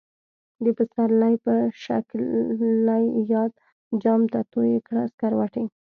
د پسرلی په شکلی یاد، جام ته تویی کړه سکروټی